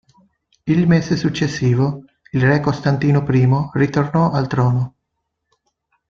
Il mese successivo, il re Costantino I ritornò al trono.